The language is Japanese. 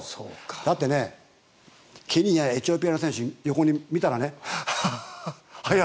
だって、ケニアやエチオピアの選手を横に見たらあー！